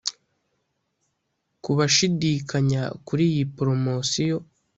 Ku bagishidikanya kuri iyi Poromosiyo